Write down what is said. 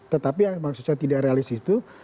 tetapi maksudnya tidak realistis itu